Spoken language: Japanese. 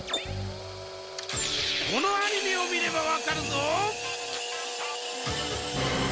このアニメを見ればわかるぞ！